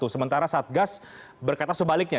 sementara satgas berkata sebaliknya